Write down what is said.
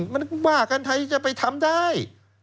มันบ้าใครจะไปทำได้